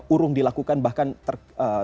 urung dilakukan bahkan ter